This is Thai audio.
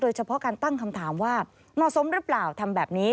เฉพาะการตั้งคำถามว่าเหมาะสมหรือเปล่าทำแบบนี้